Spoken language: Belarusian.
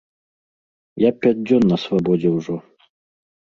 Я пяць дзён на свабодзе ўжо.